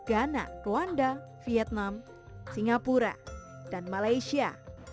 dan juga dari amerika serikat ghana rwanda vietnam singapura dan malaysia